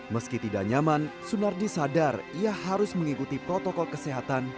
meski tidak nyaman sunardi sadar ia harus mengikuti protokol kesehatan